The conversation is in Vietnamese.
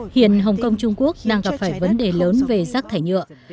hiện hồng kông trung quốc đang gặp phải vấn đề lớn về rác thải nhựa